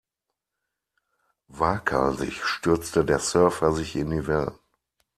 Waghalsig stürzte der Surfer sich in die Wellen.